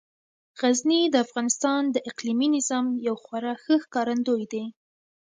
غزني د افغانستان د اقلیمي نظام یو خورا ښه ښکارندوی دی.